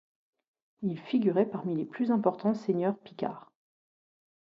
Ils figuraient parmi les plus importants seigneurs picards.